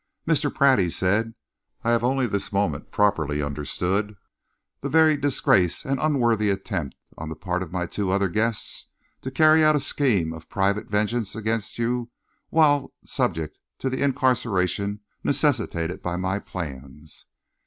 "Mr. Pratt," he said, "I have only this moment properly understood the very disgraceful and unworthy attempt on the part of my two other guests to carry out a scheme of private vengeance upon you whilst subject to the incarceration necessitated by my plans."